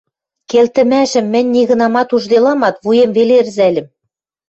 Келтӹмӓшӹм мӹнь нигынамат ужделамат, вуем веле ӹрзӓльӹм.